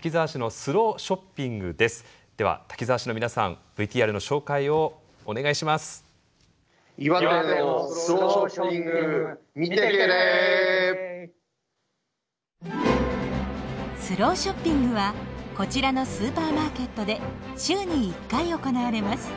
スローショッピングはこちらのスーパーマーケットで週に１回行われます。